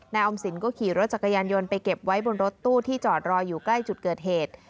ออมสินก็ขี่รถจักรยานยนต์ไปเก็บไว้บนรถตู้ที่จอดรออยู่ใกล้จุดเกิดเหตุ